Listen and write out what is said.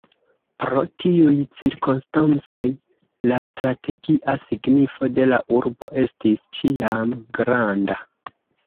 Pro tiuj cirkonstancoj la strategia signifo de la urbo estis ĉiam granda.